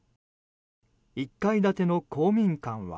１階建ての公民館は。